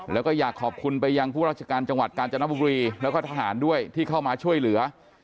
แล้วก็อยากขอบคุณไปยังผู้ราชการจังหวัดกาญจนบุรีแล้วก็ทหารด้วยที่เข้ามาช่วยเหลือ